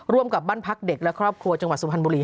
กับบ้านพักเด็กและครอบครัวจังหวัดสุพรรณบุรี